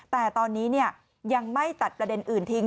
แต่ตอนนี้ยังไม่ตัดประเด็นอื่นทิ้ง